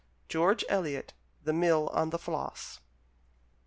George Eliot: "The Mill on the Floss."